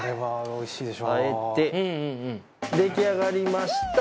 出来上がりました。